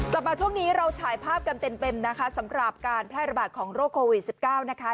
กลับมาช่วงนี้เราฉายภาพกันเต็มนะคะสำหรับการแพร่ระบาดของโรคโควิด๑๙นะคะ